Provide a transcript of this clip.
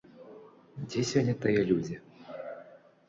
Дзе сёння тыя людзі?